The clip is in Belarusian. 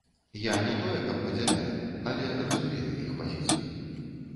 Я не тое каб падзяляю, але разумею іх пазіцыю.